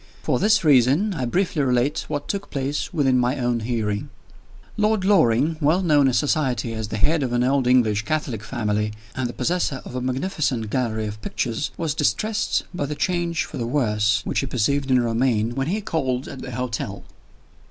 For this reason, I briefly relate what took place within my own healing. Lord Loring well known in society as the head of an old English Catholic family, and the possessor of a magnificent gallery of pictures was distressed by the change for the worse which he perceived in Romayne when he called at the hotel.